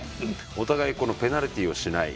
お互いにペナルティーをしない。